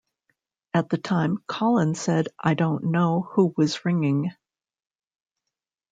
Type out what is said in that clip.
At the time Colin said I don't know who was ringing.